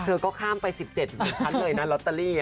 เธอก็ข้ามไป๑๗ชั้นเลยนะลอตเตอรี่